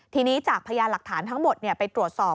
ทีนี้จากพยานหลักฐานทั้งหมดไปตรวจสอบ